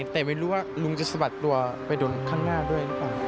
แต่ไม่รู้ว่าลุงจะสะบัดตัวไปโดนข้างหน้าด้วย